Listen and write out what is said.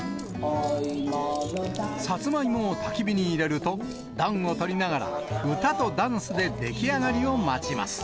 サツマイモをたき火に入れると、暖をとりながら歌とダンスで出来上がりを待ちます。